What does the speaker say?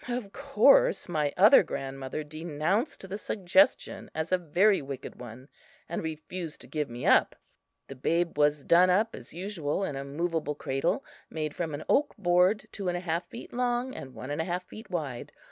Of course my other grandmother denounced the suggestion as a very wicked one, and refused to give me up. The babe was done up as usual in a movable cradle made from an oak board two and a half feet long and one and a half feet wide.